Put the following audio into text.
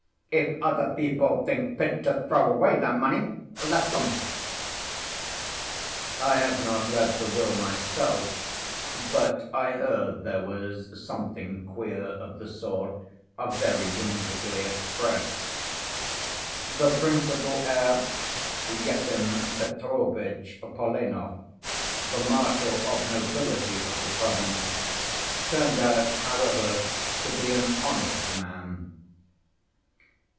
If other people think fit to throw away their money, let them." I have not read the will myself, but I heard there was something queer of the sort, very whimsically expressed. The principal heir, Yefim Petrovitch Polenov, the Marshal of Nobility of the province, turned out, however, to be an honest man.